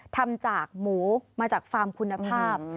ทำจากหมูมาจากฟาร์มคุณภาพ